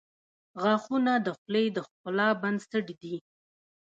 • غاښونه د خولې د ښکلا بنسټ دي.